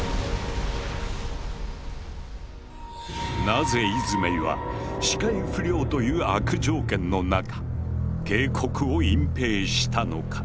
なぜイズメイは視界不良という悪条件のなか警告を隠蔽したのか？